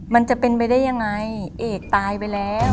มันจะเป็นไปได้ยังไงเอกตายไปแล้ว